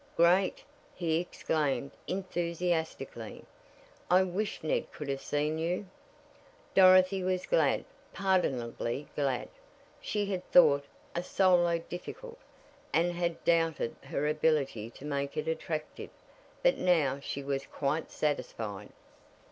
"Great!" he exclaimed enthusiastically. "I wish Ned could have seen you!" Dorothy was glad pardonably glad. She had thought a "solo" difficult, and had doubted her ability to make it attractive, but now she was quite satisfied.